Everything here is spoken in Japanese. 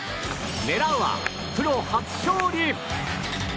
狙うはプロ初勝利。